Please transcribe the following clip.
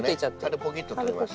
軽くポキッととれます。